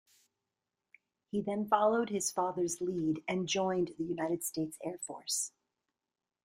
He then followed his father's lead and joined the United States Air Force.